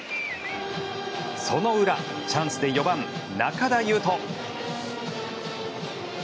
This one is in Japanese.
その裏、チャンスで４番、仲田侑仁。